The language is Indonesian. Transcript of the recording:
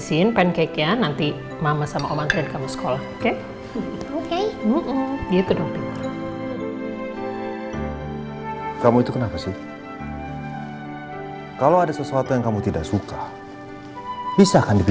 saya ingin kamu lihat dia memakai sarganya sendiri